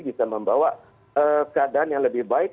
bisa membawa keadaan yang lebih baik